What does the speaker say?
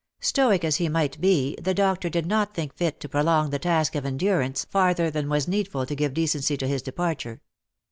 Stoic as he might be, the doctor did not think fit to prolong the task of endurance farther than was needful to give decency to his departure.